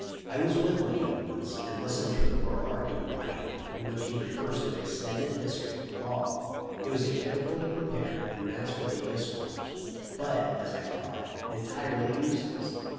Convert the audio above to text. I was with Lincoln once and listened to an oral argument by him in which he rehearsed an extended history of the law. It was a carefully prepared and mas terly discourse, but, as I thought, entirely useless.